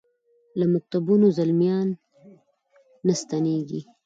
له مکتبونو زلمیا ن ستنیږي